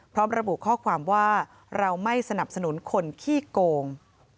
พร้อมระบุข้อความว่าเราไม่สนับสนุนคนขี้โกง